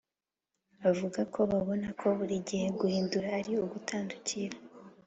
avuga ko babona ko “buri gihe guhindura ari ugutandukira